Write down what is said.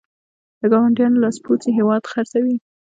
د ګاونډیو لاسپوڅي هېواد خرڅوي.